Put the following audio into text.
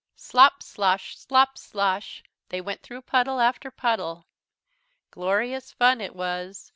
"Slop, slosh, slop, slosh," they went through puddle after puddle. Glorious fun it was.